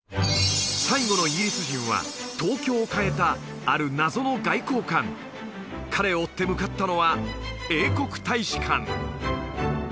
最後のイギリス人は東京を変えたある謎の外交官彼を追って向かったのは英国大使館！